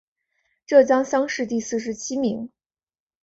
浙江乡试第四十七名。